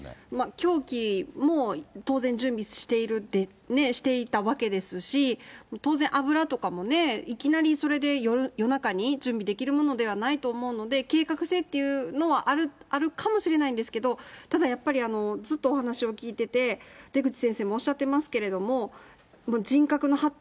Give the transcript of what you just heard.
凶器も当然準備しているって、していたわけですし、当然、油とかもね、いきなりそれで夜中に準備できるものではないと思うので、計画性っていうのはあるかもしれないですけど、ただやっぱり、ずっとお話を聞いてて、出口先生もおっしゃってますけれども、人格の発達